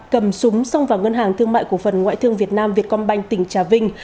cầm súng xong vào ngân hàng thương mại cổ phần ngoại thương việt nam việt công banh tỉnh trà vinh